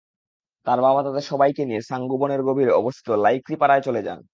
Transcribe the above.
তার বাবা তাদের সবাইকে নিয়ে সাঙ্গু বনের গভীরে অবস্থিত লাইক্রিপাড়ায় চলে যান।